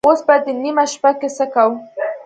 اوس به په دې نيمه شپه کې څه کوو؟